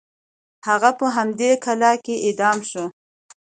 هغه په همدې کلا کې اعدام شو.